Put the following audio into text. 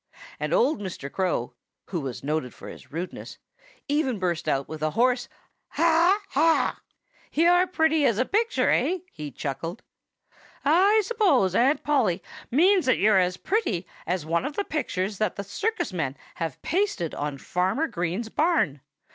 And old Mr. Crow, who was noted for his rudeness, even burst out with a hoarse haw haw. "You're pretty as a picture, eh?" he chuckled. "I suppose Aunt Polly means that you're as pretty as one of the pictures that the circus men have pasted on Farmer Green's barn.